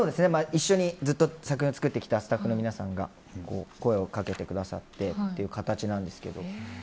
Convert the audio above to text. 一緒にずっと作品を作ってきたスタッフの皆さんが声をかけてくださってという形なんですけど。